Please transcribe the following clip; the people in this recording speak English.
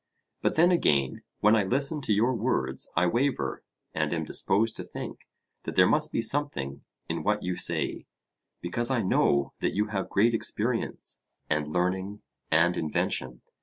But then again, when I listen to your words, I waver; and am disposed to think that there must be something in what you say, because I know that you have great experience, and learning, and invention.